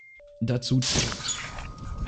Dazu zählen